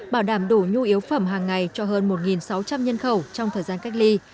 bảo đảm đủ nhu yếu phẩm hàng ngày cho hơn một sáu trăm linh nhân khẩu trong thời gian cách ly